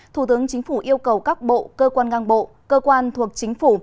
thủ tướng chính phủ yêu cầu các bộ cơ quan ngang bộ cơ quan thuộc chính phủ